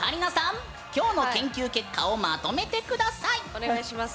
お願いします。